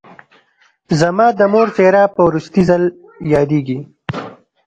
زما د مور څېره په وروستي ځل یادېږي